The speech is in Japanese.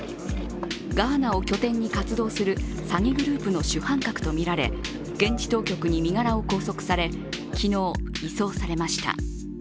ガーナを拠点に活動する詐欺グループの主犯格とみられ現地当局に身柄を拘束され昨日、移送されました。